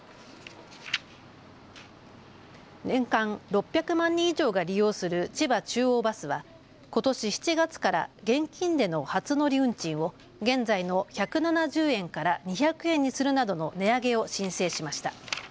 年間６００万人以上が利用する千葉中央バスはことし７月から現金での初乗り運賃を現在の１７０円から２００円にするなどの値上げを申請しました。